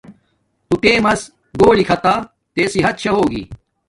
تو ٹیمس گھولی کھاتا تے صحت شا ہوگی